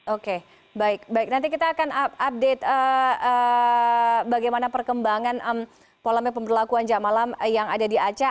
oke baik baik nanti kita akan update bagaimana perkembangan pola pemberlakuan jam malam yang ada di aceh